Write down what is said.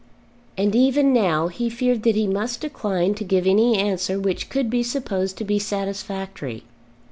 And even now, he feared that he must decline to give any answer which could be supposed to be satisfactory.